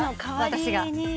私が？